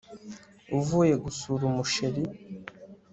uvuye gusura umusheri